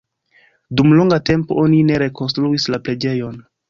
Dum longa tempo oni ne rekonstruis la preĝejon.